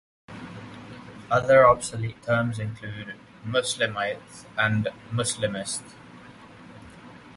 Other obsolete terms include "Muslimite" and "Muslimist".